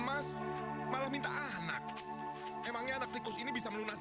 mawar kerjaan gitu saja enggak pencus